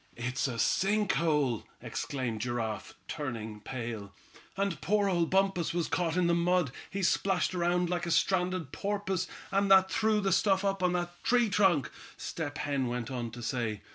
"It's a sink hole!" exclaimed Giraffe, turning pale. "And poor old Bumpus was caught in the mud. He splashed around like a stranded porpoise, and that threw the stuff up on that tree trunk," Step Hen went on to say.